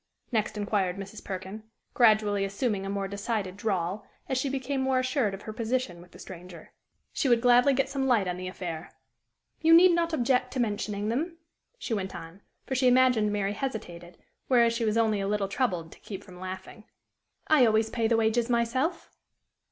next inquired Mrs. Perkin, gradually assuming a more decided drawl as she became more assured of her position with the stranger. She would gladly get some light on the affair. "You need not object to mentioning them," she went on, for she imagined Mary hesitated, whereas she was only a little troubled to keep from laughing; "I always pay the wages myself."